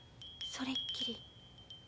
それっきり？